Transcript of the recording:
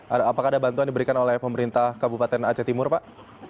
apakah ada bantuan diberikan oleh pemerintah kabupaten aceh timur pak